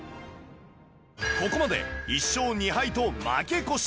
ここまで１勝２敗と負け越し